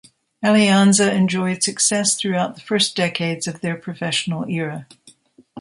Alianza enjoyed success throughout the first decades of their professional era.